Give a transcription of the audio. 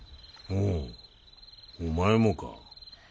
ほうお前もか。